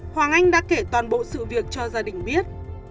hoàng anh đã kể toàn bộ sự việc cho gia đình biết